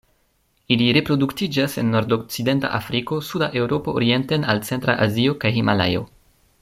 Ili reproduktiĝas en nordokcidenta Afriko, suda Eŭropo orienten al centra Azio, kaj Himalajo.